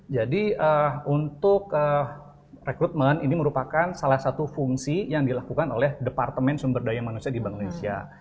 jadi untuk rekrutmen ini merupakan salah satu fungsi yang dilakukan oleh departemen sumber daya manusia di bank indonesia